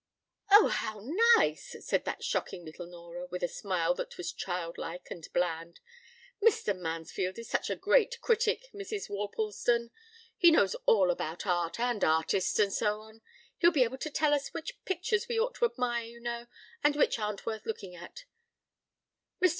p> "Oh, how nice!" said that shocking little Nora, with a smile that was childlike and bland. "Mr. Mansfield is such a great critic, Mrs. Worplesdon; he knows all about art, and artists, and so on. He'll be able to tell us which pictures we ought to admire, you know, and which aren't worth looking at. Mr.